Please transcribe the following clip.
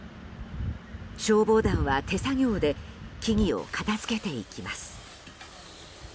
消防団は手作業で木々を片付けていきます。